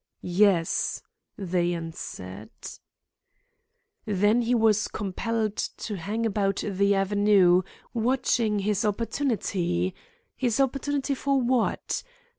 "Yes," they answered. "Then he was compelled to hang about the avenue, watching his opportunity his opportunity for what?